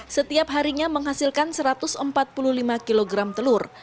setiap harinya menghasilkan satu ratus empat puluh lima kg telur